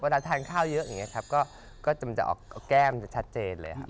ทานข้าวเยอะอย่างนี้ครับก็มันจะออกแก้มจะชัดเจนเลยครับ